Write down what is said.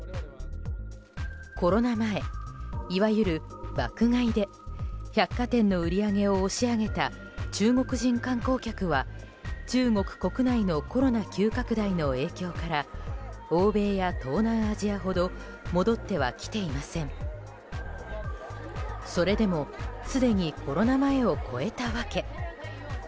コロナ前、いわゆる爆買いで百貨店の売り上げを押し上げた中国人観光客は中国国内のコロナ急拡大の影響から欧米や東南アジアほど戻ってはきていません。戻りました。